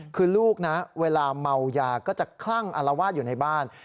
คือลูกนะเวลาเมายาก็จะคลั่งอารวาสอยู่ในบ้าน